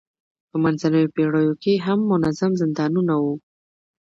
په منځنیو پېړیو کې هم منظم زندانونه نه وو.